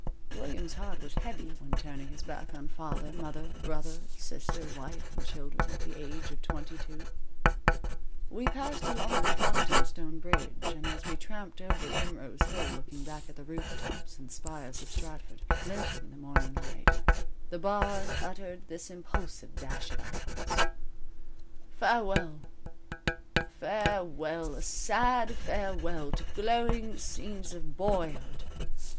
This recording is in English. William's heart was heavy when turning his back on father, mother, brother, sister, wife and children, at the age of twenty two. We passed along the Clopton stone bridge, and as we tramped over Primrose Hill looking back at the roofs and spires of Stratford, glinting in the morning light, the Bard uttered this impulsive dash of eloquence: _Farewell, farewell! a sad farewell To glowing scenes of boyhood.